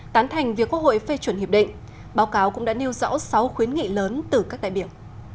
tán thành việc quốc hội phê chuẩn hiệp định báo cáo cũng đã nêu rõ sáu khuyến nghị lớn từ các đại biểu